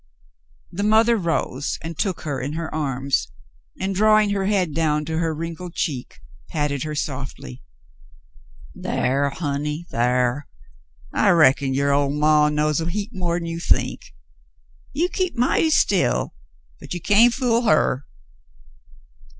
The mother rose and took her in her arms, and, drawing her head down to her wrinkled cheek, patted her softly. "Thar, honey, thar. I reckon your ol' maw knows a heap more'n you think. You keep mighty still, but you can't fool her."